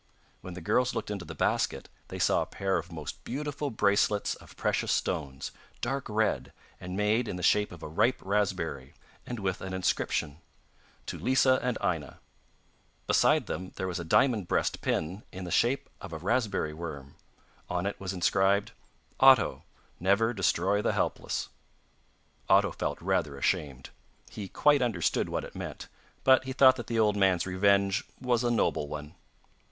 When the girls looked into the basket they saw a pair of most beautiful bracelets of precious stones, dark red, and made in the shape of a ripe raspberry and with an inscription: 'To Lisa and Aina'; beside them there was a diamond breast pin in the shape of a raspberry worm: on it was inscribed 'Otto, never destroy the helpless!' Otto felt rather ashamed: he quite understood what it meant, but he thought that the old man's revenge was a noble one.